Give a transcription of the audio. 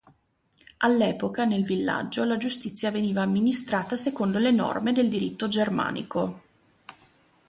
All'epoca, nel villaggio la giustizia veniva amministrata secondo le norme del diritto germanico.